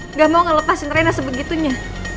nggak mau ngelepasin rena sebegitunya